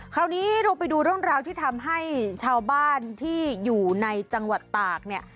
คราวนี้เราไปดูเรื่องราวที่ทำให้ชาวบ้านที่อยู่ในจังหวัดตากเนี่ย